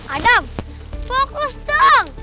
adam fokus dong